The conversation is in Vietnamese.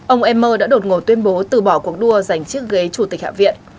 ông emmer đã đột ngột tuyên bố từ bỏ cuộc đua giành chiếc ghế chủ tịch hạ viện